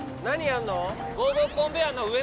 何やんの？